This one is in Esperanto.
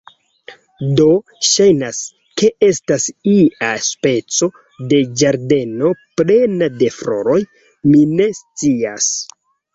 Do, ŝajnas, ke estas ia speco de ĝardeno plena de floroj... mi ne scias...